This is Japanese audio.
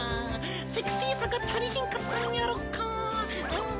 セクシーさが足りひんかったんニャろか？